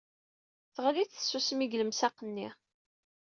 Teɣli-d tsusmi deg lemsaq-nni.